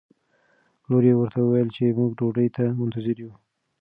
لور یې ورته وویل چې موږ ډوډۍ ته منتظره یو.